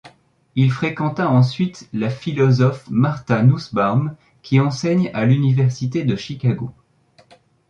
Il fréquenta ensuite la philosophe Martha Nussbaum, qui enseigne à l'université de Chicago.